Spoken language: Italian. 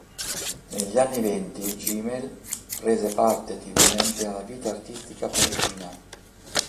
Negli anni venti, Gimel prese parte attivamente alla vita artistica parigina.